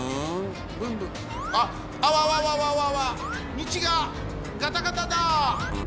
みちがガタガタだ！